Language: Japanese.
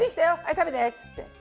食べてっつって。